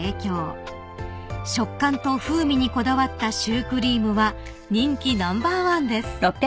［食感と風味にこだわったシュークリームは人気ナンバーワンです］